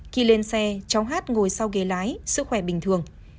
khi lên xe cháu hát ngồi sau ghế lái sức khỏe bình thường